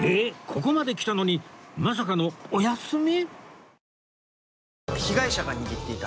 ここまで来たのにまさかのお休み？